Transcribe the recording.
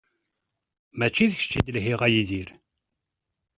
Mačči d kečč i d-lhiɣ a Yidir.